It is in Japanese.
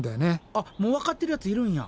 あっもうわかってるやついるんや。